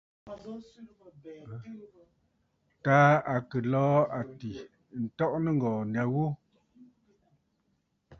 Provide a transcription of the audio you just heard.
Taà à kɨ̀ lɔ̀ɔ̂ àtì ǹtɔʼɔ nɨ̂ŋgɔ̀ɔ̀ nya ghu.